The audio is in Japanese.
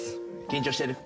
緊張してる？